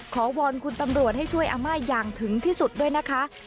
วอนคุณตำรวจให้ช่วยอาม่าอย่างถึงที่สุดด้วยนะคะ